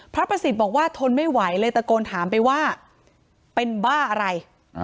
พระประสิทธิ์บอกว่าทนไม่ไหวเลยตะโกนถามไปว่าเป็นบ้าอะไร